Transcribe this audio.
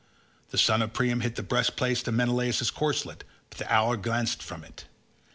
The son of Priam hit the breastplate of Menelaus's corslet, but the arrow glanced from off it.